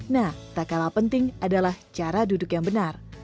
nah tak kalah penting adalah cara duduk yang benar